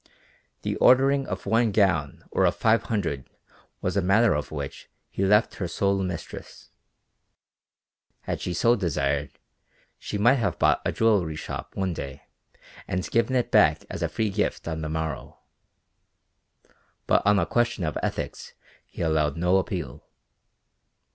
The ordering of one gown or of five hundred was a matter of which he left her sole mistress. Had she so desired she might have bought a jewelry shop one day and given it back as a free gift on the morrow. But on a question of ethics he allowed no appeal.